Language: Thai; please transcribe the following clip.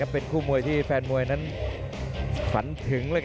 เป็นคู่มวยที่แฟนมวยนั้นฝันถึง